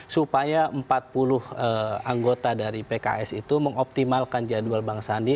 supaya empat puluh anggota dari pks itu mengoptimalkan jadwal bang sandi